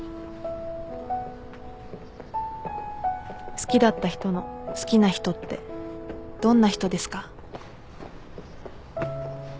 好きだった人の好きな人ってどんな人ですか？